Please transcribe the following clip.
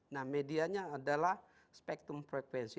nah medianya adalah spektrum frekuensi